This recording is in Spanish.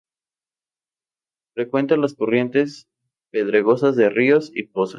Frecuenta las corrientes pedregosas de ríos y pozas.